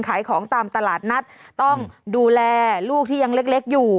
ขายของตามตลาดนัดต้องดูแลลูกที่ยังเล็กอยู่